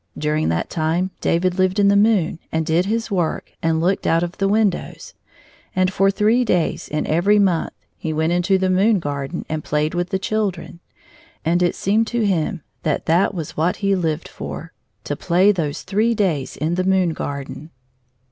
During that time David Hved in the moon and did his work and looked out of the windows, and for three days in 95 every month he went into the moon garden and played with the children. And it seemed to him that that was what he Uved for, — to play those three days in the moon garden.